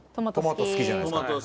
トマト好きじゃないですか。